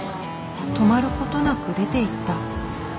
止まることなく出ていった。